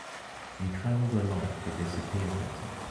He travelled, a lot, to disappear better.